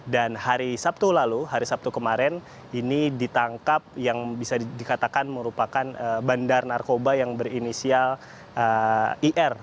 dan hari sabtu lalu hari sabtu kemarin ini ditangkap yang bisa dikatakan merupakan bandar narkoba yang berinisial ir